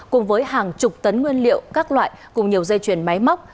cùng với hàng chục tấn nguyên liệu các loại cùng nhiều dây chuyền máy móc